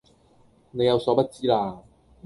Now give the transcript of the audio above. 你有所不知啦